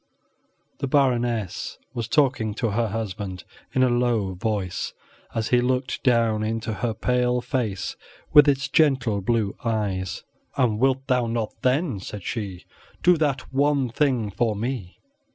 The Baroness was talking to her husband in a low voice, as he looked down into her pale face, with its gentle blue eyes. "And wilt thou not, then," said she, "do that one thing for me?"